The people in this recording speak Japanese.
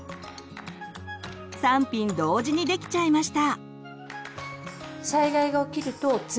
３品同時にできちゃいました！